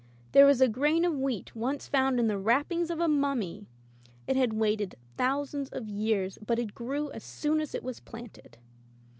There was a grain of wheat once found in the wrappings of a mummy. It had waited thousands of years, but it grew as soon as it was planted."